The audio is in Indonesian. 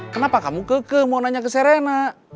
kenapa kamu keke mau nanya ke serena